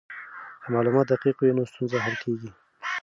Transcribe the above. که معلومات دقیق وي نو ستونزې حل کیږي.